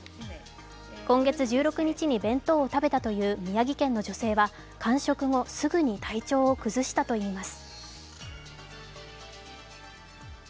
今月１６日に弁当を食べたという宮城県の女性は完食後、すぐに体調を崩したといいます。